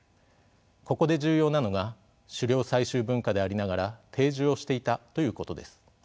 ここで重要なのが狩猟採集文化でありながら定住をしていたということです。